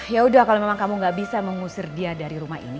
ya udah kalau memang kamu gak bisa mengusir dia dari rumah ini